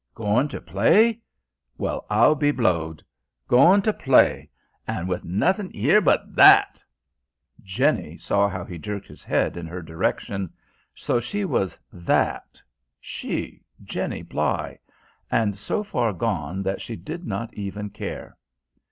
"Goin' ter play? Well, I'll be blowed! Goin' ter play! An' with nothing 'ere but That" Jenny saw how he jerked his head in her direction. So she was "That" she, Jenny Bligh! and so far gone that she did not even care.